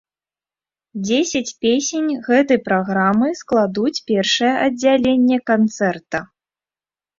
Дзесяць песень гэтай праграмы складуць першае аддзяленне канцэрта.